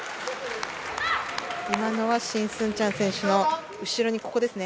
今のはシン・スンチャン選手の後ろにここですね。